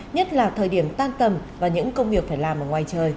nhất là thời điểm tan tầm và những công việc phải làm ở ngoài trời